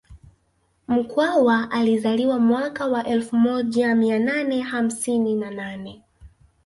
Mkwawa alizaliwa mwaka wa elfu moja mia nane hamsini na nane